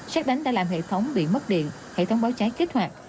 xét đánh đã làm hệ thống bị mất điện hệ thống báo cháy kích hoạt